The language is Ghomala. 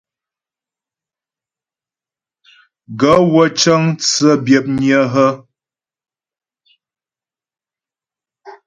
Gaə̂ wə́ cə́ŋ tsə́ byə̌pnƴə́ hə́ ?